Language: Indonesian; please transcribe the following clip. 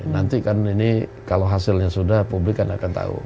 nanti kan ini kalau hasilnya sudah publik kan akan tahu